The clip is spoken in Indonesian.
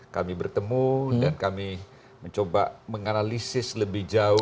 kami bertemu dan kami mencoba menganalisis lebih jauh